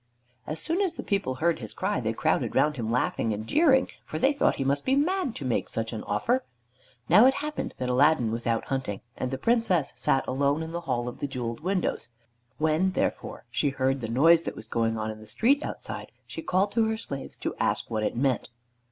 As soon as the people heard his cry, they crowded round him, laughing and jeering, for they thought he must be mad to make such an offer. Now it happened that Aladdin was out hunting, and the Princess sat alone in the hall of the jeweled windows. When, therefore, she heard the noise that was going on in the street outside, she called to her slaves to ask what it meant.